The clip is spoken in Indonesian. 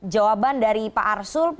jawaban dari pak arsul